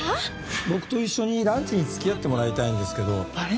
僕と一緒にランチに付き合ってもらいたいんですけど。